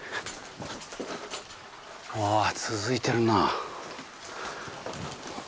ああ続いてるなあ。